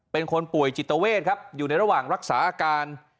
เป็นคนป่วยจิตเวทครับอยู่ในระหว่างรักษาอาการ